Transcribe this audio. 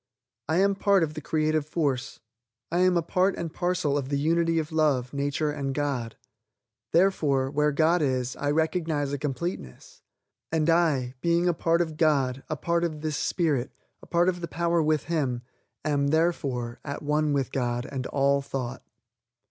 I am part of the creative force. I am a part and parcel of the Unity of Love, Nature and God. Therefore, where God is, I recognize a completeness. And I, being a part of God, a part of this spirit, a part of the power with Him, am, therefore, at one with God and all thought.